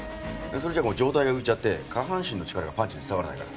それじゃ上体が浮いちゃって下半身の力がパンチに伝わらないから。